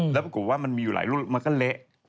แล้วปรากฏว่ามันมีอยู่หลายรุ่นมันก็เละ